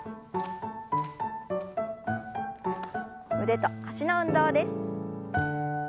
腕と脚の運動です。